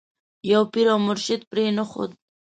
یو پیر او مرشد پرې نه ښود.